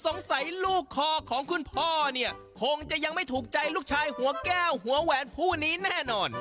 สงสัยลูกคอของคุณพ่อเนี่ยคงจะยังไม่ถูกใจลูกชายหัวแก้วหัวแหวนผู้นี้แน่นอน